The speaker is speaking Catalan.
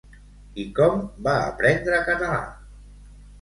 I com va aprendre català?